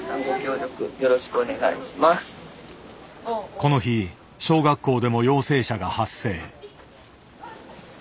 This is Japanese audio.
この日小学校でも陽性者が発生。